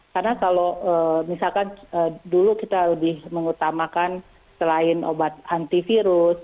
karena kalau misalkan dulu kita lebih mengutamakan selain obat antivirus